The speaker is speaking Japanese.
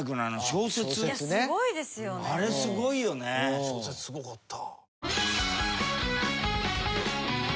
小説すごかった。